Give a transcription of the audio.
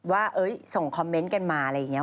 ว่าส่งคอมเมนต์กันมาอะไรอย่างนี้